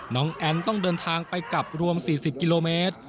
น้องแอนต้องเดินทางไปกลับรวม๔๐กิโลเมตร